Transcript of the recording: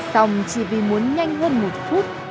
xong chỉ vì muốn nhanh hơn một phút